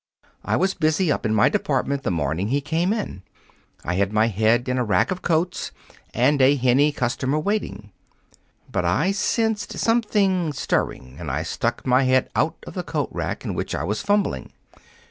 I was busy up in my department the morning he came in. I had my head in a rack of coats, and a henny customer waiting. But I sensed something stirring, and I stuck my head out of the coat rack in which I was fumbling.